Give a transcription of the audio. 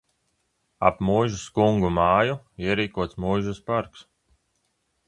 Ap muižas kungu māju ierīkots muižas parks.